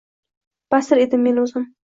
Basir edim men o’zim.